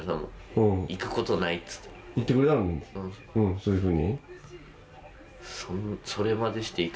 そういうふうに？